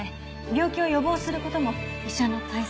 病気を予防する事も医者の大切な仕事。